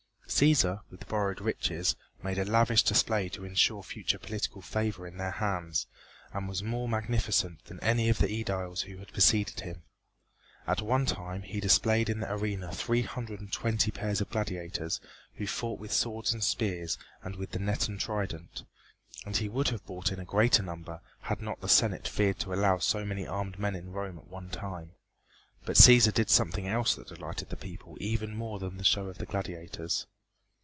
Cæsar, with borrowed riches, made a lavish display to ensure future political favor at their hands, and was more magnificent than any of the ædiles who had preceded him. At one time he displayed in the arena three hundred and twenty pairs of gladiators who fought with swords and spears and with the net and trident, and he would have brought in a greater number had not the Senate feared to allow so many armed men in Rome at one time. But Cæsar did something else that delighted the people even more than the show of the gladiators.